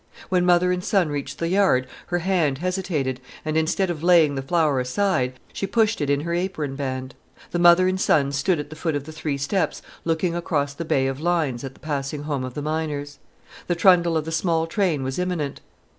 When mother and son reached the yard her hand hesitated, and instead of laying the flower aside, she pushed it in her apron band. The mother and son stood at the foot of the three steps looking across the bay of lines at the passing home of the miners. The trundle of the small train was imminent.